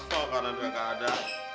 gak ada gak ada